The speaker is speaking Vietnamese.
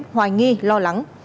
hoài nghi lo lắng